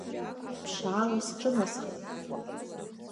Ԥшьаала сҿынасхеит.